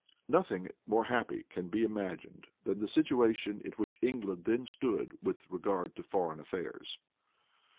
Nothing more happy can be imagined than the situation in which England then stood with regard to foreign affairs.